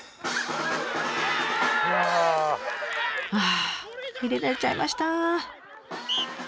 ああ入れられちゃいました。